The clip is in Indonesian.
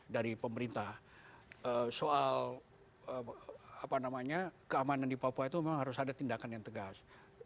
dari pemerintah soal keamanan di papua itu memang harus ada tindakan yang tegas